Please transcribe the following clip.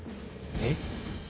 えっ？